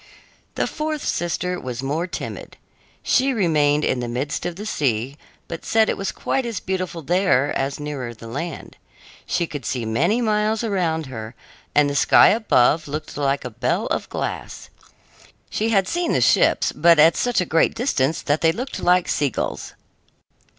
The fourth sister was more timid. She remained in the midst of the sea, but said it was quite as beautiful there as nearer the land. She could see many miles around her, and the sky above looked like a bell of glass. She had seen the ships, but at such a great distance that they looked like sea gulls.